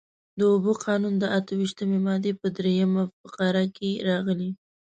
د اوبو قانون د اته ویشتمې مادې په درېیمه فقره کې راغلي.